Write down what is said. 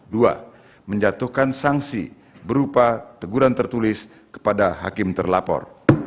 dua menjatuhkan sanksi berupa teguran tertulis kepada hakim terlapor